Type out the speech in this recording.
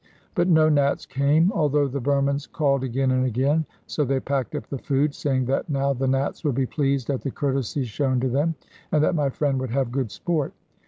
But no Nats came, although the Burmans called again and again. So they packed up the food, saying that now the Nats would be pleased at the courtesy shown to them, and that my friend would have good sport.